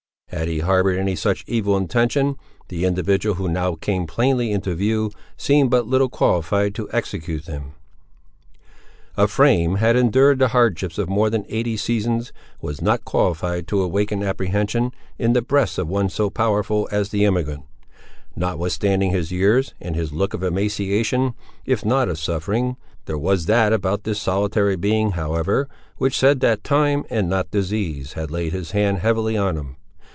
Had he harboured any such evil intention, the individual who now came plainly into view, seemed but little qualified to execute them. A frame that had endured the hardships of more than eighty seasons, was not qualified to awaken apprehension, in the breast of one as powerful as the emigrant. Notwithstanding his years, and his look of emaciation, if not of suffering, there was that about this solitary being, however, which said that time, and not disease, had laid his hand heavily on him.